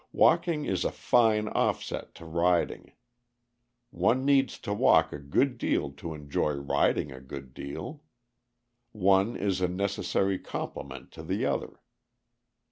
Walking is a fine offset to riding. One needs to walk a good deal to enjoy riding a good deal. One is a necessary complement to the other.